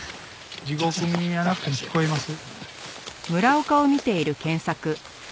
地獄耳やなくても聞こえます。